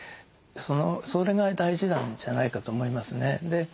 それが大事なんじゃないかと思いますね。